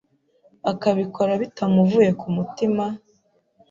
akabikora bitamuvuye ku mutima,